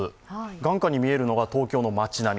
眼下に見えるのが東京の街並み。